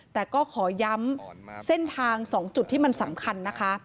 แต่ก็ขอย้ำเส้นทาง๒จุดที่มันสำคัญนะคะ